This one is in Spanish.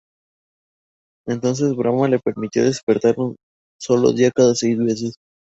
Entonces Brahmá le permitió despertar un solo día cada seis meses.